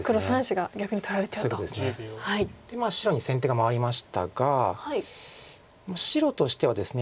白に先手が回りましたが白としてはですね